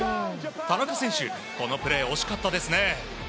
田中選手、このプレー惜しかったですね。